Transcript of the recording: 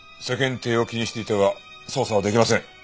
世間体を気にしていては捜査はできません。